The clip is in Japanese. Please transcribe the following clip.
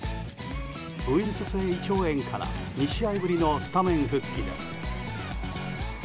ウイルス性胃腸炎から２試合ぶりのスタメン復帰です。